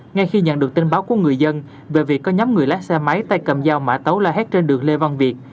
ngay khi nhận được tin báo của người dân về việc có nhóm người lái xe máy tay cầm dao mã tấu la hét trên đường lê văn việt